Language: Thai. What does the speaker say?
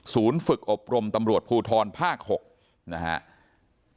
ฝึกอบรมตำรวจภูทรภาค๖นะครับ